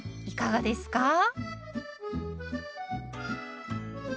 いかがですか？